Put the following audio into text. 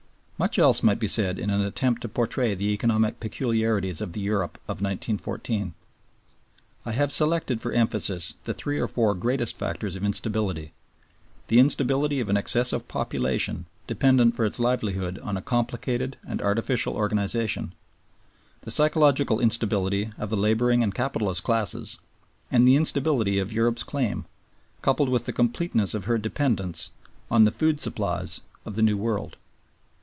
Much else might be said in an attempt to portray the economic peculiarities of the Europe of 1914. I have selected for emphasis the three or four greatest factors of instability, the instability of an excessive population dependent for its livelihood on a complicated and artificial organization, the psychological instability of the laboring and capitalist classes, and the instability of Europe's claim, coupled with the completeness of her dependence, on the food supplies of the New World.